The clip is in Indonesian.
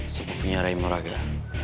sepupunya ray moraga